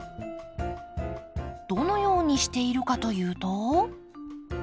どのようにしているかというと。